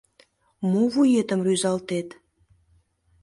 Мо вуетым рӱзалтет